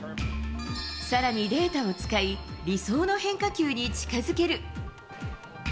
さらにデータを使い、理想の変化球に近づける。